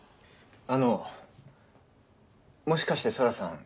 あのもしかして空さん